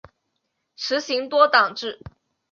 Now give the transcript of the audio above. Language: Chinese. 实行多党制。